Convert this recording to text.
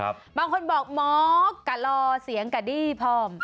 บางคนบอกหมอกะลอเสียงกะดี้พร้อม